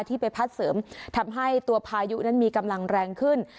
ที่ไปพัดเสริมทำให้ตัวพายุนั้นมีกำลังแรงขึ้น